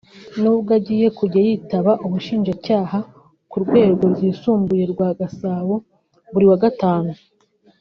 n’ubwo agiye kujya yitaba Ubushinjacyaha ku rwego rwisubuye rwa Gasabo buri wa Gatanu